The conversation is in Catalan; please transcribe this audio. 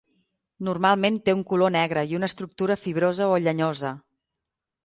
Normalment té un color negre i una estructura fibrosa o llenyosa.